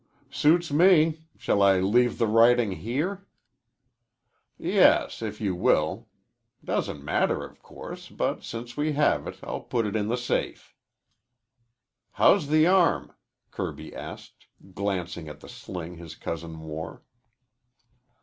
"Suits me. Shall I leave the writing here?" "Yes, if you will. Doesn't matter, of course, but since we have it I'll put it in the safe." "How's the arm?" Kirby asked, glancing at the sling his cousin wore.